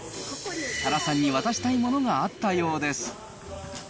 多良さんに渡したいものがあったようです。